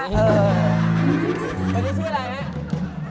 คนนี้ชื่ออะไรนะ